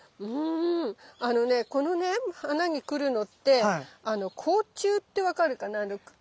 あのねこの花に来るのって甲虫って分かるかな。